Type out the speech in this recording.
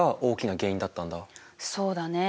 そうだね。